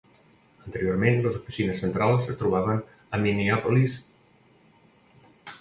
Anteriorment, les oficines centrals es trobaven a Minneapolis-St.